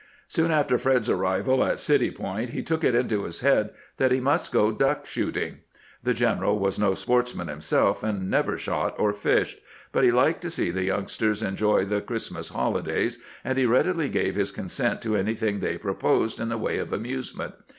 Soon after Fred's arrival at City Point he took it into his head that he must go duck shooting. The general was no sportsman himself, and never shot or fished ; but he liked to see the youngsters enjoy the Christmas holi days, and he readily gave his consent to anything they proposed in the way of amusement.